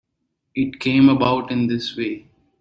It came about in this way.